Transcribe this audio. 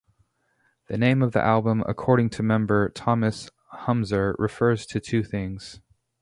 The name of the album according to member Thomas Humser refers to two things.